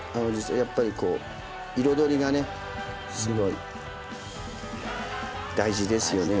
やっぱりこう彩りがねすごい大事ですよね